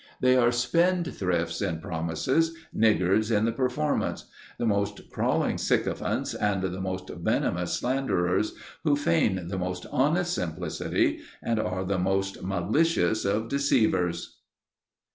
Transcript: They are spendthrifts in promises, niggards in the performance; the most crawling sycophants, and the most venomous slanderers; who feign the most honest simplicity, and are the most malicious of deceivers."